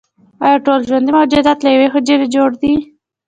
ایا ټول ژوندي موجودات له یوې حجرې جوړ دي